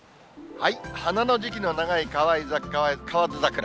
花の時期の長い河津桜。